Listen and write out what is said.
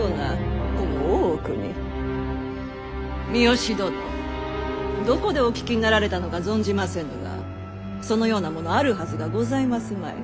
三好殿どこでお聞きになられたのか存じませぬがそのようなものあるはずがございますまい。